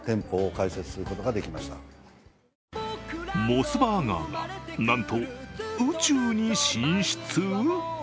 モスバーガーがなんと、宇宙に進出？